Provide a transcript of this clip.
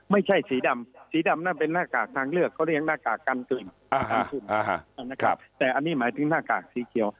ไม่ใช่สีดำสีดำนั่นเป็นหน้ากากทางเลือกเขาเรียกหน้ากากกันตัวเองนะครับแต่อันนี้หมายถึงหน้ากากสีเขียว